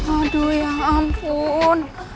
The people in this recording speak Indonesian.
aduh ya ampun